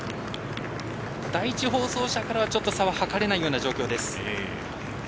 第１放送車からはちょっと差は計れないような状況です。